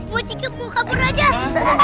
mochi kebun kabur aja